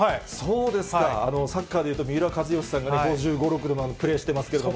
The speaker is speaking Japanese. そうですか、サッカーでいうと、三浦知良さんが５５、６までプレーしてますけども。